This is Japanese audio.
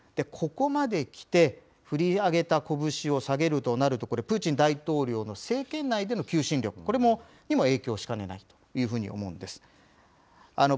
ここまで来て、振り上げた拳を下げるとなると、これ、プーチン大統領の政権内での求心力、これにも影響しかねないというふうに思うんです。